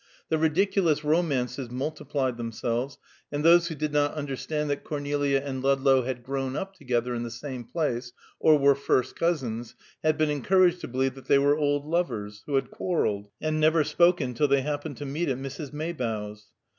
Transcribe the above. The ridiculous romances multiplied themselves, and those who did not understand that Cornelia and Ludlow had grown up together in the same place, or were first cousins, had been encouraged to believe that they were old lovers, who had quarrelled, and never spoken till they happened to meet at Mrs. Maybough's.